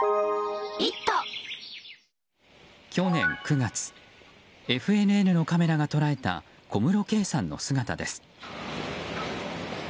去年９月ＦＮＮのカメラが捉えた小室圭さんの姿です。